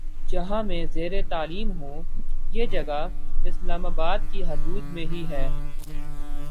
جہاں میں زیرتعلیم ہوں یہ جگہ اسلام آباد کی حدود میں ہی ہے